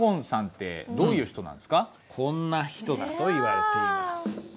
先生こんな人だといわれています。